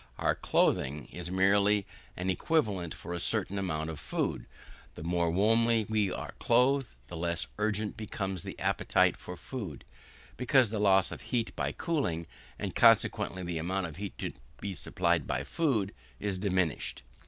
Our clothing is merely an equivalent for a certain amount of food. The more warmly we are clothed the less urgent becomes the appetite for food, because the loss of heat by cooling, and consequently the amount of heat to be supplied by the food, is diminished.